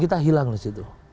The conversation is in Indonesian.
kita hilang disitu